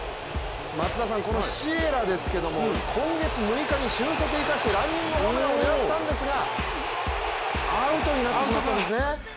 松田さん、このシエラですけれども今月６日に、俊足を生かしてランニングホームランを狙ったんですがアウトになってしまったんですね。